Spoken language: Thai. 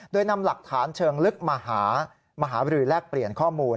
โดยนำหลักฐานเชิงลึกมาหาบรือแลกเปลี่ยนข้อมูล